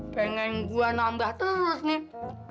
pengen gua nambah terus nih